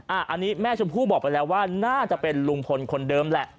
อันนี้แม่ชมพู่บอกไปแล้วว่าน่าจะเป็นลุงพลคนเดิมแหละ